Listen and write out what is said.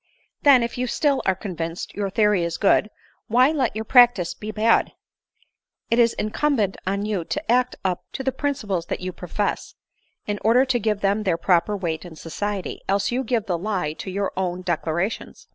" Then, if you still are convinced your theory is good, why let your practice be bad ? It is incumbent on you to act up to the principles that you profess, in order to give them their proper weight in society, else you give the lie to your own declarations."